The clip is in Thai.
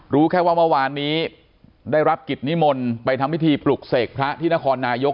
รู้แค่ว่าเมื่อวานนี้ได้รับกิจนิมนต์ไปทำพิธีปลุกเสกพระที่นครนายก